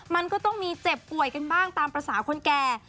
มันก็ต้องมีเจ็บป่วยกันบ้างตามภาษาคนแก่